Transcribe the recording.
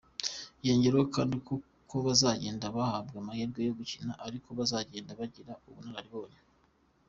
Yongeraho kandi ko uko bazagenda bahabwa amahirwe yo gukina ari ko bazagenda bagira ubunararibonye.